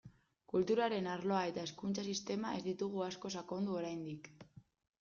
Kulturaren arloa eta hezkuntza sistema ez ditugu asko sakondu oraindik.